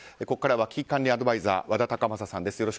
ここからは危機管理アドバイザー和田隆昌さんです。